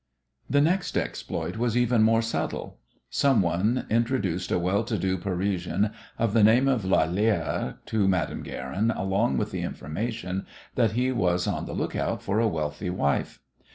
The next exploit was even more subtle. Some one introduced a well to do Parisian of the name of Lalère to Madame Guerin along with the information that he was on the look out for a wealthy wife.